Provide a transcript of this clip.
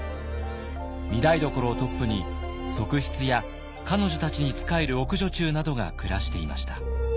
御台所をトップに側室や彼女たちに仕える奥女中などが暮らしていました。